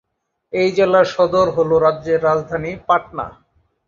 এই জেলার সদর হল রাজ্যের রাজধানী পাটনা।